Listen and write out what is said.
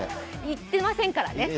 行ってませんからね。